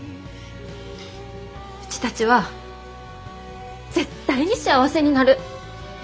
うちたちは絶対に幸せになる！